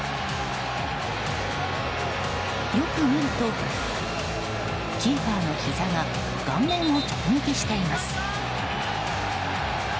よく見ると、キーパーのひざが顔面を直撃しています。